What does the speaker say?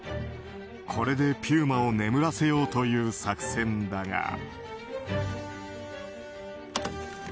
これでピューマを眠らせようという作戦だが。